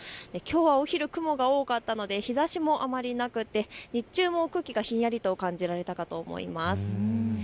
きょうはお昼、雲が多かったので日ざしもあまりなくて日中も空気がひんやりと感じられたかと思います。